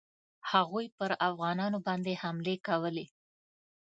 هغوی پر افغانانو باندي حملې کولې.